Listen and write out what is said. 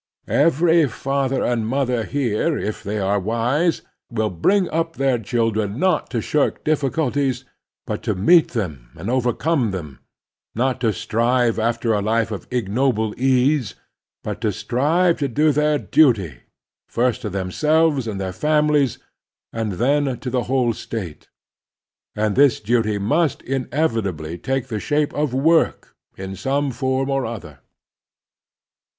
Every father and mother here, if they are wise, will bring up their children not to shirk difficulties, but to meet them and overcome them ; not to strive after a life of ignoble ease, but to strive to do their duty, first to themselves and their families, and then to the whole State; and this duty must 268 The Strenuous Life inevitably take the shape of work in some form or other.